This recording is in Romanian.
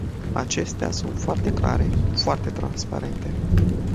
Acestea sunt foarte clare, foarte transparente.